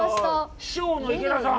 師匠の池田さん。